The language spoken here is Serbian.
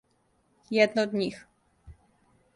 Једна од њих.